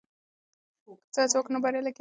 که زه هڅه وکړم، نو بریالی کېدای شم.